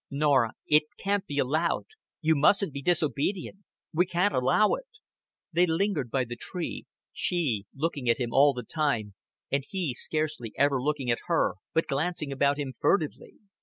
"Norah, it can not be allowed. You mustn't be disobedient. We can't allow it." They lingered by the tree, she looking at him all the time, and he scarcely ever looking at her, but glancing about him furtively.